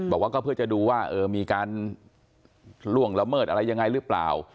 บอกว่าก็เพื่อจะดูว่ามีการล่วงละเมิดอะไรยังไงหรือเปล่า